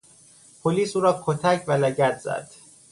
پلیس او را کتک و لگد زد.